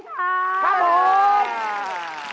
ครับผม